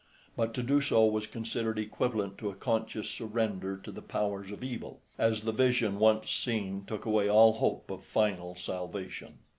But to do so was considered equivalent to a conscious surrender to the powers of evil, as the vision once seen took away all hope of final salvation.